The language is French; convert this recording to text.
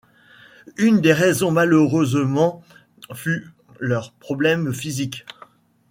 Une des raisons malheureusement fut leurs problèmes physiques.